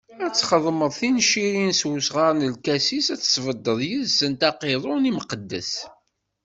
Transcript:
Ad txedmeḍ tincirin s usɣar n lkasis, ad tesbeddeḍ yis-sent aqiḍun imqeddes.